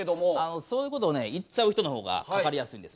そういうことをね言っちゃう人の方がかかりやすいんですよ実は。